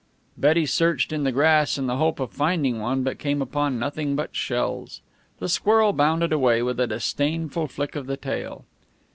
Betty searched in the grass in the hope of finding one, but came upon nothing but shells. The squirrel bounded away, with a disdainful flick of the tail.